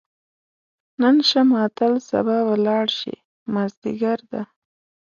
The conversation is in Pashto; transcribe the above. نن شه ماتل سبا به لاړ شې، مازدیګر ده